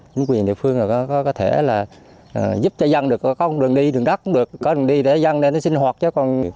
chính quyền địa phương có thể là giúp cho dân được có đường đi đường đất cũng được có đường đi để dân lên sinh hoạt cho con